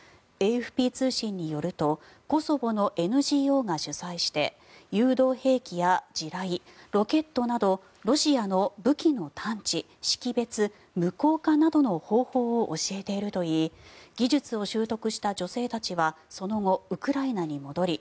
ＡＦＰ通信によるとコソボのＮＧＯが主催して誘導兵器や地雷ロケットなど、ロシアの武器の探知、識別、無効化などの方法を教えているといい技術を習得した女性たちはその後、ウクライナに戻り